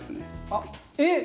あっえっ！